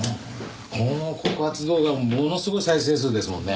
この告発動画ものすごい再生数ですもんね。